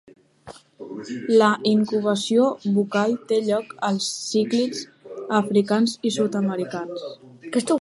La incubació bucal té lloc als cíclids africans i sud-americans.